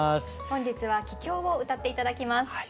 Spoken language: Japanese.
本日は「帰郷」を歌って頂きます。